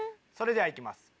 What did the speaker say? それでは行きます